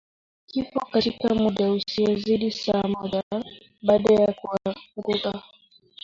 Kifo katika muda usiozidi saa moja baada ya kuanguka